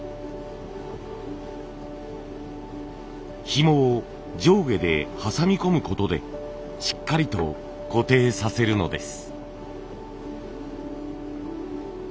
ひもを上下で挟み込むことでしっかりと固定させるのです。